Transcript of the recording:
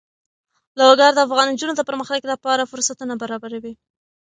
لوگر د افغان نجونو د پرمختګ لپاره فرصتونه برابروي.